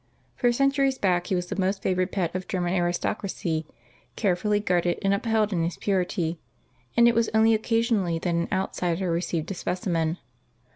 For centuries back he was the most favored pet of German aristocracy, carefully guarded and upheld in his purity, and it was only occasionally that an outsider received a specimen.